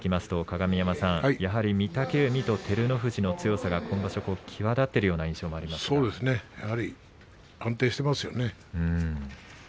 鏡山さん、やはり御嶽海と照ノ富士の強さが今場所際立っているような印象が安定していますね。